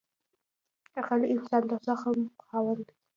غلی انسان، د زغم خاوند وي.